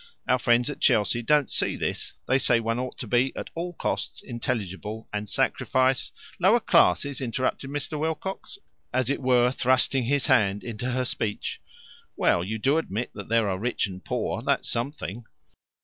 Our friends at Chelsea don't see this. They say one ought to be at all costs intelligible, and sacrifice " "Lower classes," interrupted Mr. Wilcox, as it were thrusting his hand into her speech. "Well, you do admit that there are rich and poor. That's something."